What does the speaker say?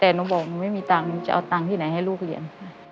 แต่หนูบอกหนูไม่มีตังค์หนูจะเอาตังค์ที่ไหนให้ลูกเรียน